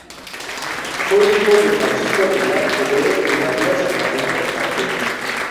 Fue hijo de Francisco Aguilar Cubero y María Sacramento Barquero.